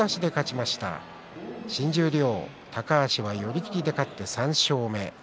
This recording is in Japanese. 新十両、高橋寄り切りで勝って３勝目。